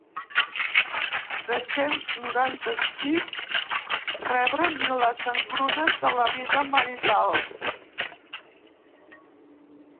Tres-cents noranta-sis rebre ni les engrunes de la vida marital.